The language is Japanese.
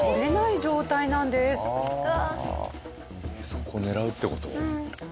そこ狙うって事？